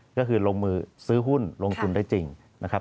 ก็คือลงมือซื้อหุ้นลงทุนได้จริงนะครับ